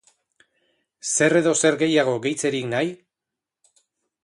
Zer edo zer gehiago gehitzerik nahi?